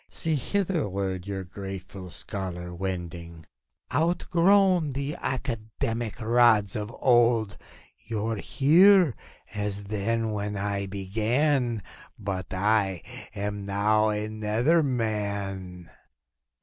See, hitherward your grateful scholar wending, Outgrown the academic rods of old. You're here, as then when I began ; But I am now another man.